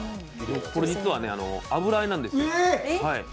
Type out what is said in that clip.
実は油絵なんですよ。